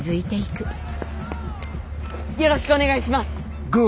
よろしくお願いします！